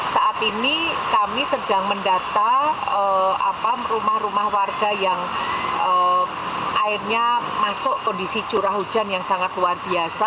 saat ini kami sedang mendata rumah rumah warga yang airnya masuk kondisi curah hujan yang sangat luar biasa